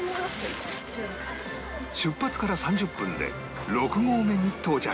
出発から３０分で６合目に到着